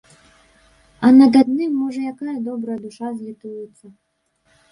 А над адным можа якая добрая душа злітуецца.